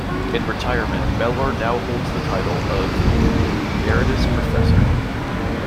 In retirement Mellor now holds the title of Emeritus Professor.